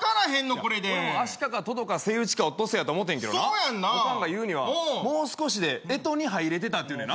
これで俺もアシカかトドかセイウチかオットセイやと思ってんけどなオカンが言うにはもう少しで干支に入れてたっていうねんな